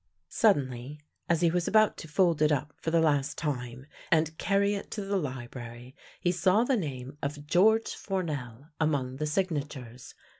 Suddenly, as he was about to fold it up for the last time, and carry it to the library, he saw the name of George Fournel among the signatures.